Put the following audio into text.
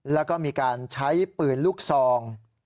แล้วก็มีการใช้ปืนลูกซอง